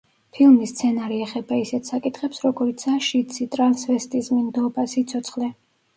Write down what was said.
ფილმის სცენარი ეხება ისეთ საკითხებს, როგორიცაა შიდსი, ტრანსვესტიზმი, ნდობა, სიცოცხლე.